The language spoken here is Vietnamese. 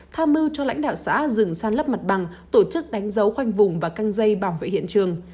tham mưu cho lãnh đạo xã dừng san lấp mặt bằng tổ chức đánh dấu khoanh vùng và căng dây bảo vệ hiện trường